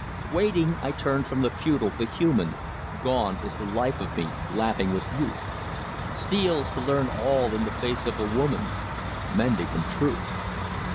Waiting, I turn from the futile, the human, Gone is the life of me, laughing with youth Steals to learn all in the face of a woman, Mendicant Truth!